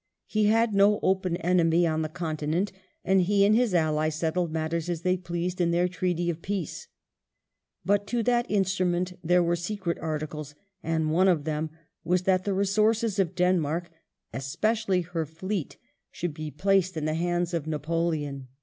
He had no open enemy on the continent, and he and his ally settled matters as they pleased in their treaty of peace. But to that instrument there were secret articles, and one of them was that the resources of Denmark, especially her fleet, should be placed in the hands of Napoleon.